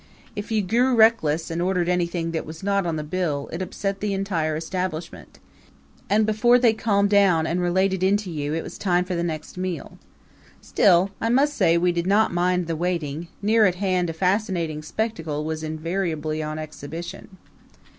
If you grew reckless and ordered anything that was not on the bill it upset the entire establishment; and before they calmed down and relayed it in to you it was time for the next meal. Still, I must say we did not mind the waiting; near at hand a fascinating spectacle was invariably on exhibition.